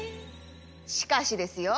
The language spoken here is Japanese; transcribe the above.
しかしですよ